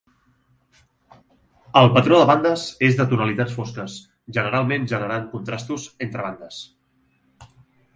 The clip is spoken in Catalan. El patró de bandes és de tonalitats fosques, generalment generant contrastos entre bandes.